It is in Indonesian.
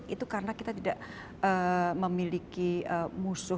itu karena kita tidak memiliki musuh